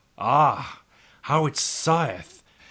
ah! how it sigheth!